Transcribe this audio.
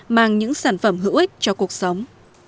mang những sản phẩm hữu ích cho cuộc sống